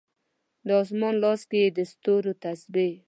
د اسمان لاس کې یې د ستورو تسبې